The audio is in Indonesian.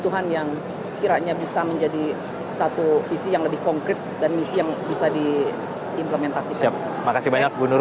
nah dari rangkaian acara sudah berlaku selama sepekan ini bu bagaimana pemantau